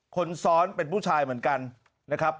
คนซ้อนเป็นผู้ชายเหมือนกันนะครับ